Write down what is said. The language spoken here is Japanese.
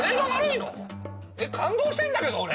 えっ感動してんだけど俺。